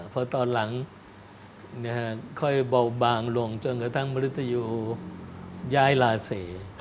เพราะตอนหลังค่อยเบาบางลงจนกระทั่งมริตยูย้ายราศี